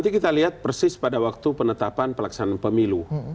kita lihat persis pada waktu penetapan pelaksanaan pemilu